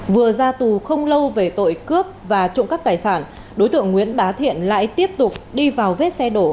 vừa ra tù không lâu về tội cướp và trộm cắp tài sản đối tượng nguyễn bá thiện lại tiếp tục đi vào vết xe đổ